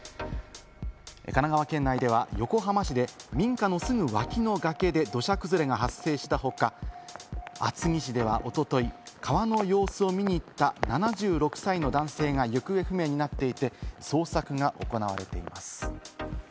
神奈川県内では横浜市で民家のすぐ脇の崖で土砂崩れが発生した他、厚木市ではおととい、川の様子を見に行った７６歳の男性が行方不明になっていて捜索が行われています。